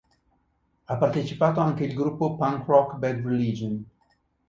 Ha partecipato anche il gruppo punk-rock Bad Religion.